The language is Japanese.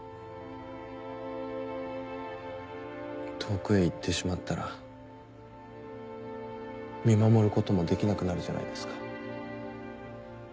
遠くへ行ってしまったら見守ることもできなくなるじゃないですか。